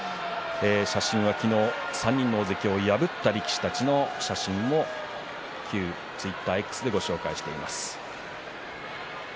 写真は昨日３人の大関を破った力士たちの写真も旧ツイッター、Ｘでご紹介しています。